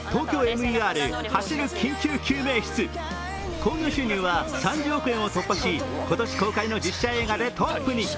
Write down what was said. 興行収入は３０億円を突破し、今年公開の実写映画でトップに。